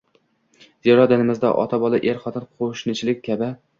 Zero dinimizda ota-bola, er-xotin, qo‘shnichilik kabi